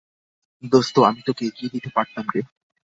দোস্ত আমি তোকে এগিয়ে দিতে পারতাম রে।